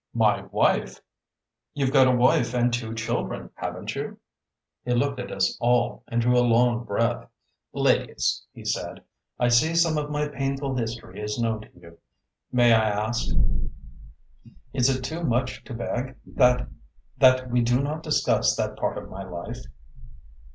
"My wife!" "You've got a wife and two children, haven't you?" He looked at us all and drew a long breath. "Ladies," he said, "I see some of my painful history is known to you. May I ask is it too much to beg that that we do not discuss that part of my life?"